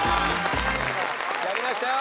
やりましたよ